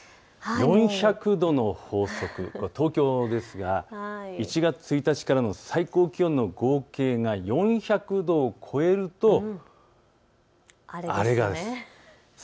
４００度の法則、東京ですが、１月１日からの最高気温の合計が４００度を超えるとあれです。